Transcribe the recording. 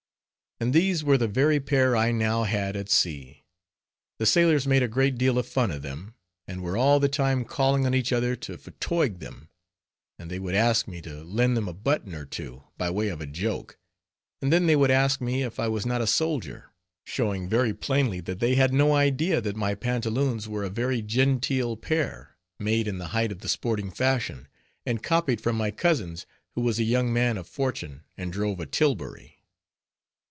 And these were the very pair I now had at sea; the sailors made a great deal of fun of them, and were all the time calling on each other to "twig" them; and they would ask me to lend them a button or two, by way of a joke; and then they would ask me if I was not a soldier. Showing very plainly that they had no idea that my pantaloons were a very genteel pair, made in the height of the sporting fashion, and copied from my cousin's, who was a young man of fortune and drove a tilbury.